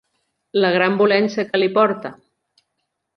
La gran volença que li porta.